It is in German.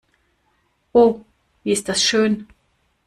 Oh, wie ist das schön!